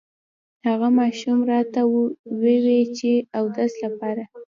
هغه ماشوم راته ووې چې اودس لپاره